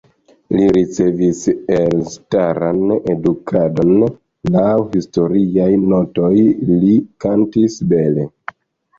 Li ricevis elstaran edukadon, laŭ historiaj notoj, li kantis bele.